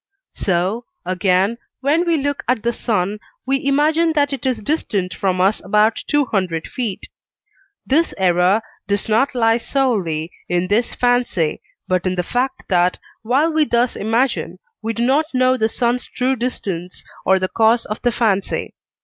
So, again, when we look at the sun, we imagine that it is distant from us about two hundred feet; this error does not lie solely in this fancy, but in the fact that, while we thus imagine, we do not know the sun's true distance or the cause of the fancy.